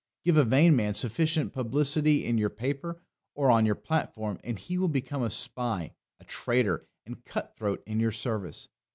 Give a vain man sufficient publicity in your paper or on your platform and he will become a spy, a traitor, and cut throat in your service.